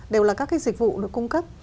đều là các cái dịch vụ được cung cấp